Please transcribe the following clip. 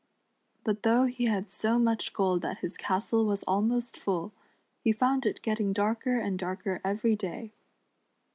But thoui, di he had so much gold that his castle was almost full, he found it getting darker and darker every day.